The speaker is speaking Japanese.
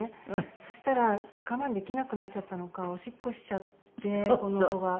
そしたら我慢できなくなっちゃったのかおしっこしちゃってこの子がアルマーニに。